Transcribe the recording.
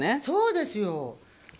そうですよ。